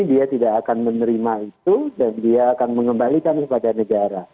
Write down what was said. dia tidak akan menerima itu dan dia akan mengembalikan kepada negara